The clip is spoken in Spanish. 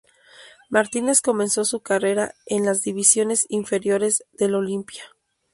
Martínez comenzó su carrera en las divisiones inferiores del Olimpia.